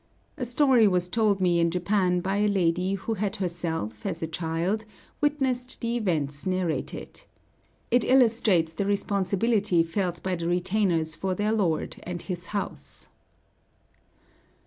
A story was told me in Japan by a lady who had herself, as a child, witnessed the events narrated. It illustrates the responsibility felt by the retainers for their lord and his house.